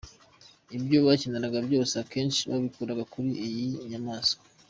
Ibyo bakeneraga byose akenshi babikuraga kuri iyi nyamanswa.